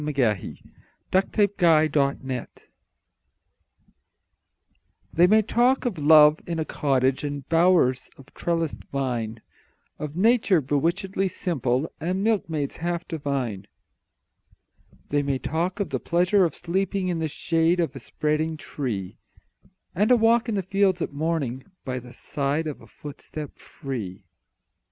Nathaniel Parker Willis Love in a Cottage THEY may talk of love in a cottage And bowers of trellised vine Of nature bewitchingly simple, And milkmaids half divine; They may talk of the pleasure of sleeping In the shade of a spreading tree, And a walk in the fields at morning, By the side of a footstep free!